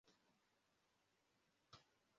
Itsinda ryabana bifotoza hanze kumashusho meza